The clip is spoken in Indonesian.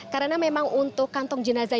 karena memang untuk kantong jenazah